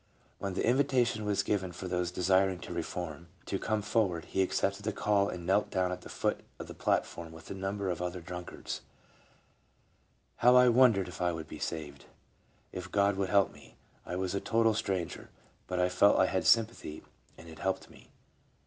When the invitation was given for those desiring to reform, to come for ward, he accepted the call and knelt down at the foot of the plat form with a number of other drunkards '' How I wondered if I would be saved ! if God would help me ! I was a total stranger ; but I felt I had sympathy, and it helped me.